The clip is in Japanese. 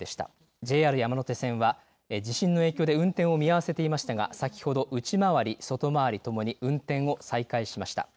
ＪＲ山手線は地震の影響で運転を見合わせていましたが先ほど内回り、外回りともに運転を再開しました。